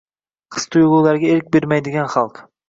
His-tuygʻularga erk bermaydigan xalq.